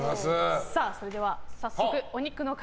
それでは早速お肉の塊